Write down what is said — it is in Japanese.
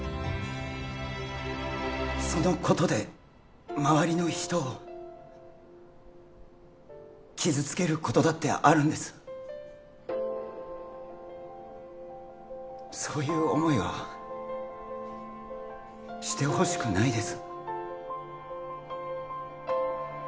そのことで周りの人を傷つけることだってあるんですそういう思いはしてほしくないです